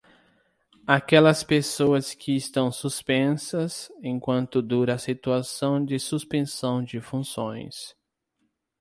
Aquelas pessoas que estão suspensas, enquanto dura a situação de suspensão de funções.